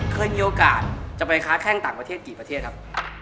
เคยมีโอกาสจะไปค้าแข้งต่างประเทศกี่ประเทศครับ